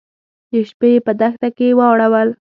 د شپې يې په دښته کې واړول.